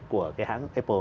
của cái hãng apple